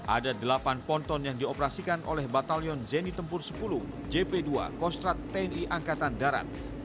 ada delapan ponton yang dioperasikan oleh batalion zeni tempur sepuluh jp dua kostrat tni angkatan darat